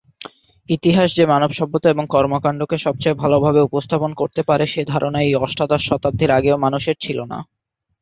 ইতিহাস যে মানব সভ্যতা এবং কর্মকাণ্ডকে সবচেয়ে ভালোভাবে উপস্থাপন করতে পারে সে ধারণা এই অষ্টাদশ শতাব্দীর আগেও মানুষের ছিল না।